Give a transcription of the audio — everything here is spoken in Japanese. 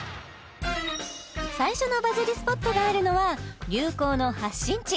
最初のバズりＳＰＯＴがあるのは流行の発信地